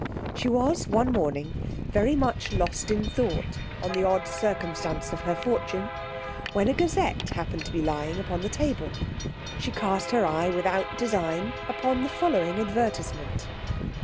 She was one morning very much lost in thought on the odd circumstances of her fortune, when a Gazette happening to lye upon the table, she cast her eye, without design, upon the following advertisement.